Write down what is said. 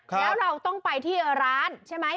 แล้วเราต้องไปที่ร้านใช่ไหม